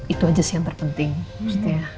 itu aja sih yang terpenting maksudnya